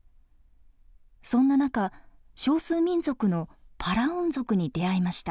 そんな中少数民族のパラウン族に出会いました。